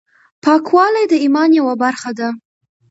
پاکوالی د ایمان یوه برخه ده۔